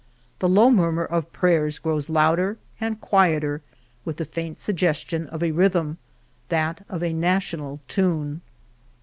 The low murmur of prayers grows louder and quieter with the faint suggestion of a rhythm, that of a national tune.